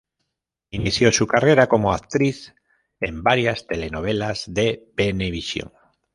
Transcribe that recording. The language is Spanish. Inició su carrera como actriz en varias telenovelas de Venevisión.